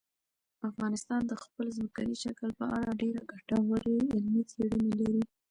افغانستان د خپل ځمکني شکل په اړه ډېرې ګټورې علمي څېړنې لري.